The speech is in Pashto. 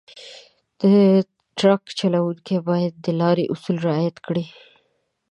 د ټرک چلونکي باید د لارې اصول رعایت کړي.